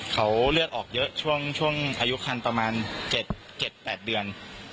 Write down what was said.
เขาเลือดออกเยอะช่วงอายุคันประมาณ๗๘เดือน